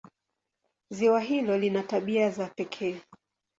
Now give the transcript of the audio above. Ziwa hilo lina tabia za pekee.